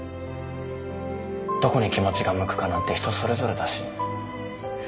どこに気持ちが向くかなんて人それぞれだし。